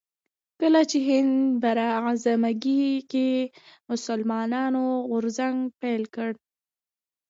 کله چې هند براعظمګي کې مسلمانانو غورځنګ پيل کړ